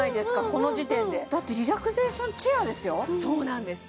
この時点でだってリラクゼーションチェアですよそうなんです